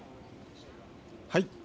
はい。